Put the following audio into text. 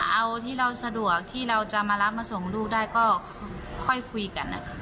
เอาที่เราสะดวกที่เราจะมารับมาส่งลูกได้ก็ค่อยคุยกัน